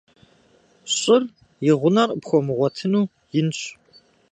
ЩӀыр, и гъунэр къыпхуэмыгъуэтыну, инщ.